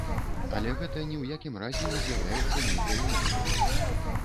Але гэта ні ў якім разе не з'яўляецца нейкай уніяй.